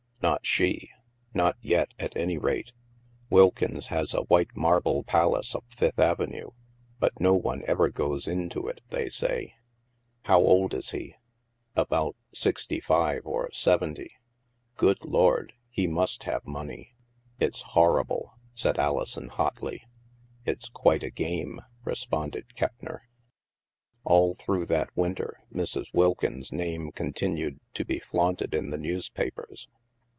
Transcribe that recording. " Not she. Not yet, at any rate. Wilkins has a white marble palace up Fifth Avenue, but no one ever goes into it, they say." THE MAELSTROM 247 "How old is he?" "About sixty five or seventy.*' " Good Lord ! He must have money." " It's horrible," said Alison hotly. " It's quite a game," responded Keppner. All through that winter, Mrs. Wilkins' name continued to be flaunted in the newspapers.